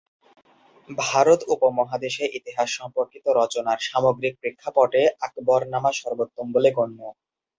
ভারত উপমহাদেশে ইতিহাস সম্পর্কিত রচনার সামগ্রিক প্রেক্ষাপটে আকবরনামা সর্বোত্তম বলে গণ্য।